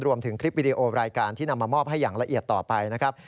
คลิปวิดีโอรายการที่นำมามอบให้อย่างละเอียดต่อไปนะครับ